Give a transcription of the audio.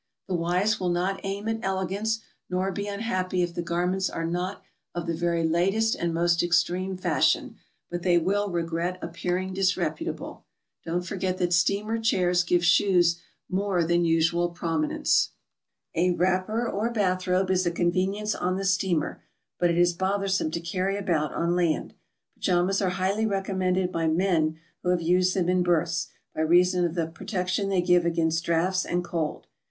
The wise will not aim at elegance, nor be unhappy if the garments are not of the very latest and most extreme fashion, but they will regret appearing disreputable. Don't forget that steamer chairs give shoes more than usual prominence. A wrapper or bath roibe is a convenience on the steamer, but it is bothersiome to carry about on land. Pajamas are highly recommended by men who have used them in berths, by reason of the protection they give against draughts and cold.